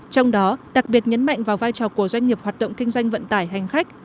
trong đó đặc biệt nhấn mạnh vào vai trò của doanh nghiệp hoạt động kinh doanh vận tải hành khách